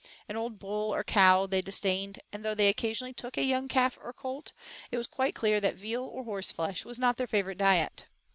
An old bull or cow they disdained, and though they occasionally took a young calf or colt, it was quite clear that veal or horseflesh was not their favorite diet.